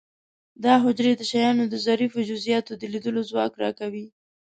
دا حجرې د شیانو د ظریفو جزئیاتو د لیدلو ځواک را کوي.